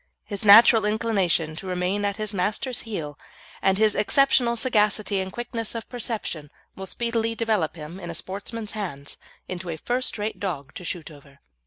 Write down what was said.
His natural inclination to remain at his master's heel and his exceptional sagacity and quickness of perception will speedily develop him, in a sportsman's hands, into a first rate dog to shoot over.